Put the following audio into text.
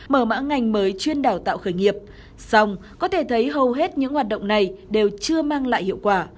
mở mã ngành mới chuyên đào tạo khởi nghiệp xong có thể thấy hầu hết những hoạt động này đều chưa mang lại hiệu quả